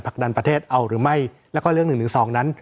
ผลักดันประเทศเอาหรือไม่แล้วก็เรื่อง๑๑๒นั้น